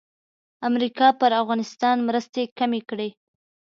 امریکا پر افغانستان مرستې کمې کړې.